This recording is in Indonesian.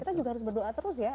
kita juga harus berdoa terus ya